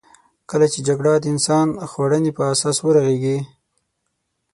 کله چې جګړه د انسان خوړنې په اساس ورغېږې.